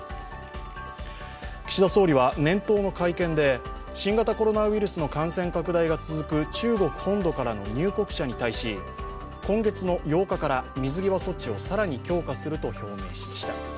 岸田総理は、年頭の会見で新型コロナウイルスの感染拡大が続く中国本土からの入国者に対し今月８日から水際措置を更に強化すると表明しました。